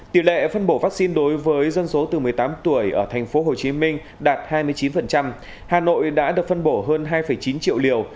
tỷ lệ phân bổ vaccine đối với dân số từ một mươi tám tuổi ở tp hcm đạt hai mươi chín hà nội đã được phân bổ hơn hai chín triệu liều